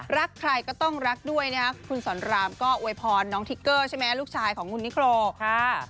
รักใครก็ต้องรักด้วยนะครับคุณสอนรามก็อวยพรน้องทิกเกอร์ใช่ไหมลูกชายของคุณนิโครค่ะ